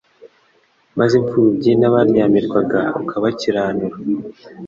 maze imfubyi n’abaryamirwaga ukabakiranura